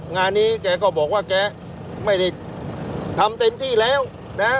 งานนี้แกก็บอกว่าแกไม่ได้ทำเต็มที่แล้วนะ